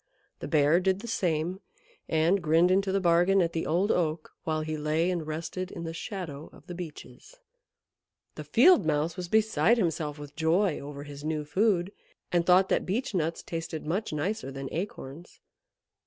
The Bear did the same, and grinned into the bargain at the Old Oak while he lay and rested in the shadow of the Beeches. The Field Mouse was beside himself with joy over his new food, and thought that Beech nuts tasted much nicer than acorns.